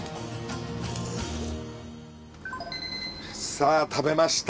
さあ食べました。